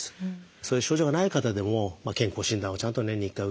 そういう症状がない方でも健康診断をちゃんと年に一回受ける。